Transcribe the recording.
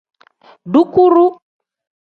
Dukuru.